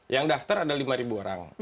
yang daftar ada lima orang